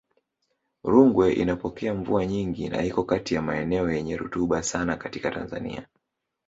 Rungwe inapokea mvua nyingi na iko kati ya maeneo yenye rutuba sana katika Tanzania